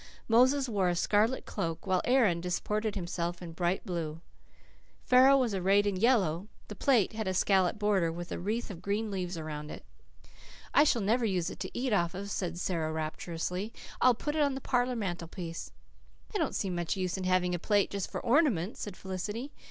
Moses wore a scarlet cloak, while Aaron disported himself in bright blue. Pharaoh was arrayed in yellow. The plate had a scalloped border with a wreath of green leaves around it. "I shall never use it to eat off," said Sara rapturously. "I'll put it up on the parlour mantelpiece." "I don't see much use in having a plate just for ornament," said Felicity.